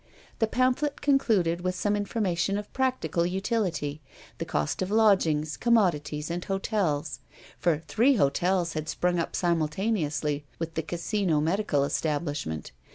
The pamphlet concluded with some information of practical utility, the cost of lodgings, commodities, and hotels for three hotels had sprung up simultaneously with the casino medical establishment.